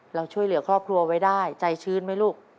เราช่วยเหลือครอบครัวไว้ได้ใจชื้นไหมลูก